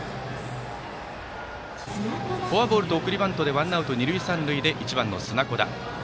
フォアボールと送りバントでノーアウト二塁三塁で１番、砂子田。